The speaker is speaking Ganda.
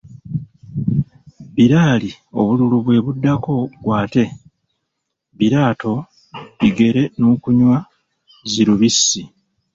Bulali obululu bwe buddako gw’ate sso, biraato bigere n’okunywamu zi lubbiisi.